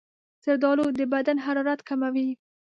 زردالو د بدن حرارت کموي.